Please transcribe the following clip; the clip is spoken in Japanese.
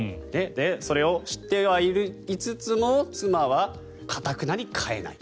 それを知ってはいつつも妻は頑なに替えない。